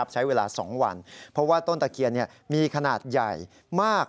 ใช้เวลา๒วันเพราะว่าต้นตะเคียนมีขนาดใหญ่มาก